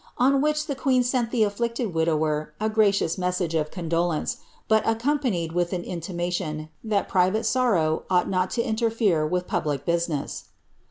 On which the queen sent ihe afflicted widower a gracious mes sage of condolence, but accompanied wilh an intimation, that pritaie sorrow ought not lo interfere with public business.'